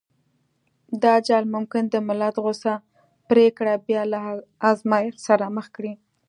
دا جال ممکن د ملت غوڅه پرېکړه بيا له ازمایښت سره مخ کړي.